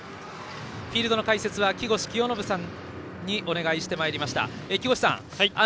フィールドの解説は木越清信さんにお願いしてまいりました。